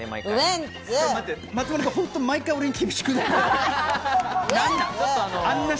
松丸さん、毎回、俺に厳しくない？